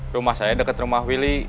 rumah saya dekat rumah willy